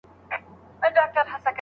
جلوه مخې په اوو فکرو کې ډوب کړم